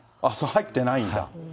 入ってないんだ。